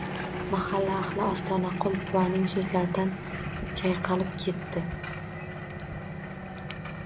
Mahalla ahli Ostonaqul buvaning so`zlaridan chayqalib ketdi